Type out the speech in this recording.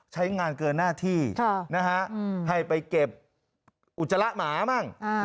ใช้งานเกินหน้าที่ให้ไปเก็บอุจจาระหมามั่ง